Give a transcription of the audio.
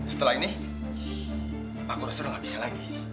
setelah ini aku rasa udah gak bisa lagi